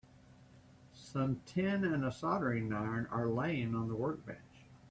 Some tin and a soldering iron are laying on the workbench.